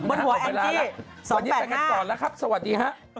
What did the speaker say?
เบื้องหัวแอลกี้๒๘๕ตอนนี้เป็นกันก่อนแล้วครับสวัสดีครับ